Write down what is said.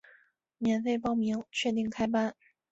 免费报名，确定开班